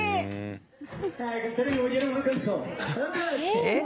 えっ？